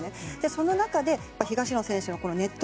その中で東野選手のネット